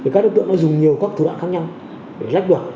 các đối tượng dùng nhiều các thủ đoạn khác nhau để lách đoạn